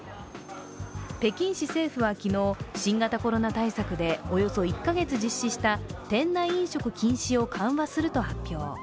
北京市政府は昨日、新型コロナ対策でおよそ１カ月実施した、店内飲食禁止を緩和すると発表。